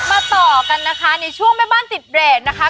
ต่อกันนะคะในช่วงแม่บ้านติดเรทนะคะ